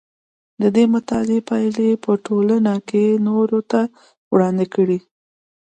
د دې مطالعې پایلې دې په ټولګي کې نورو ته وړاندې کړي.